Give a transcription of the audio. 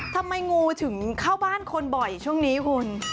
ทำไมงูถึงเข้าบ้านคนบ่อยช่วงนี้คุณ